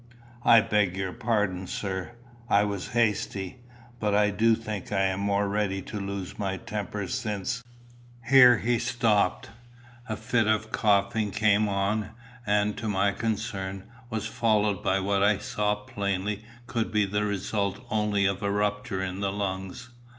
"I beg your pardon, sir. I was hasty. But I do think I am more ready to lose my temper since " Here he stopped. A fit of coughing came on, and, to my concern, was followed by what I saw plainly could be the result only of a rupture in the lungs.